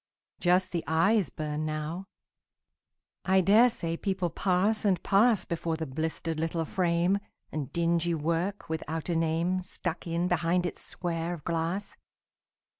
Just the eyes burn now. I dare say people pass and pass Before the blistered little frame, And dingy work without a name Stuck in behind its square of glass.